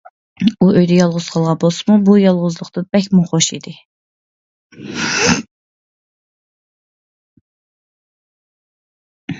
ئۇ ئۆيدە يالغۇز قالغان بولسىمۇ بۇ يالغۇزلۇقتىن بەكمۇ خۇش ئىدى.